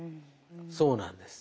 そうなんです。